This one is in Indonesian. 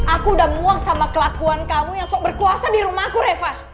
aku udah muang sama kelakuan kamu yang berkuasa di rumahku reva